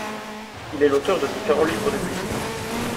Il est l'auteur de différents livres de cuisine.